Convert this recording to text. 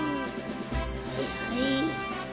はいはい。